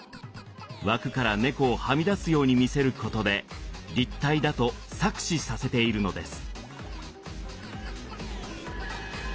枠から猫をはみ出すように見せることで立体だと錯視させているのです。